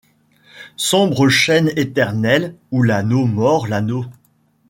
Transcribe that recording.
Sombre chaîne éternelle où l’anneau mord l’anneau !